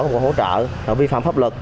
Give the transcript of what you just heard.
của quân hỗ trợ và vi phạm pháp luật